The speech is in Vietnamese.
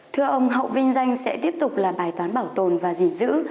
thưa ông hậu vinh danh sẽ tiếp tục là bài toán bảo tồn và dị dữ